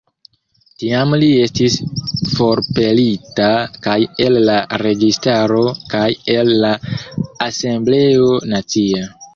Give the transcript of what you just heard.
Tiam li estis forpelita kaj el la registaro kaj el la asembleo nacia.